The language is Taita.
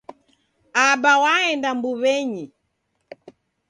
Aba waenda mbuwenyi